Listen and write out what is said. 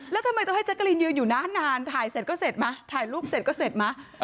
แล้วทำไมต้องให้แจ๊กกะลินยืนอยู่นานถ่ายเสร็จก็เสร็จไหมถ่ายรูปเสร็จก็เสร็จไหม